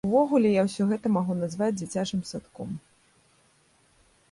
Увогуле я ўсё гэта магу назваць дзіцячым садком.